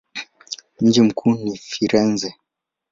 Mji mkuu ni Firenze.